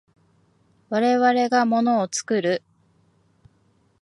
我々が物を作る。